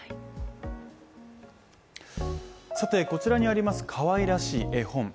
こちらにあります、かわいらしい絵本。